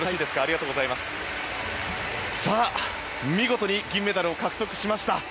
見事に銀メダルを獲得しました。